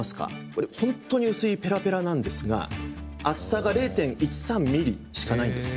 これ本当に薄いペラペラなんですが厚さが０．１３ｍｍしかないんです。